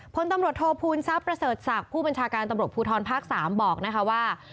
พลตำรวจโทษภูมิทรัพย์ประเสริฐศักดิ์ผู้บัญชาการตำรวจภูทรภาค๓บอกนะคะว่า